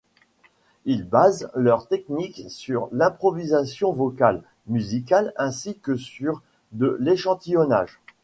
Ils basent leur technique sur l'improvisation vocale, musicale, ainsi que sur de l'échantillonnage.